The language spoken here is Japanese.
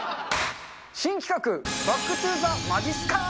新企画、バック・トゥ・ザ・まじっすか。